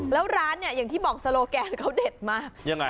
แล้วร้านเนี่ยอย่างที่บอกโซโลแกนเขาเด็ดมากยังไง